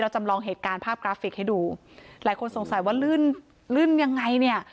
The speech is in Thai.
จำลองเหตุการณ์ภาพกราฟิกให้ดูหลายคนสงสัยว่าลื่นลื่นยังไงเนี่ย